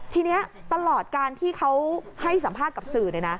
ทีนี้ตลอดการที่เขาให้สัมภาษณ์กับสื่อ